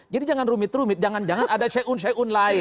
jadi jangan rumit rumit jangan jangan ada syaiun syaiun lain